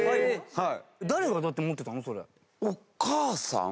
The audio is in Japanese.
はい。